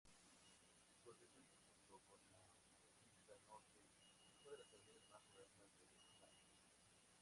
Constituye junto con la Autopista Norte una de las avenidas más modernas de Bogotá.